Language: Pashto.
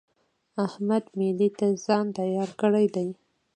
احمد مېلې ته ځان تيار کړی دی.